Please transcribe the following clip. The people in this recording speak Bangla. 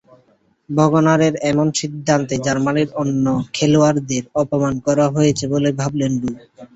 ভাগনারের এমন সিদ্ধান্তে জার্মানির অন্য খেলোয়াড়দের অপমান করা হয়েছে বলে ভাবছেন লো।